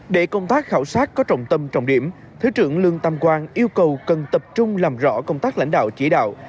để công tác khảo sát có trọng tâm trọng điểm thứ trưởng lương tâm quang yêu cầu cần tập trung làm rõ công tác lãnh đạo chỉ đạo